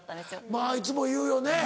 まぁいつも言うよね。